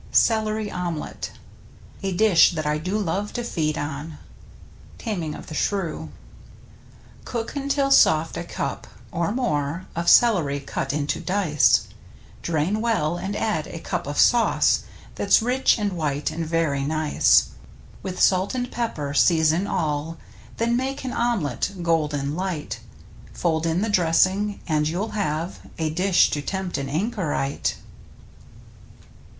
nJT A — CELERY OMELETTE ^ <ii*A that I do love to feed on. — Taming of the Shrew. Cook until soft a cup — or more — Of celery cut into dice, Drain well, and add a cup of sauce That's rich, and white, and ver>^ nice. With salt and pepper season all, Then make an omelette, golden light — Fold in the dressing, and you'll have A dish to tempt an anchorite.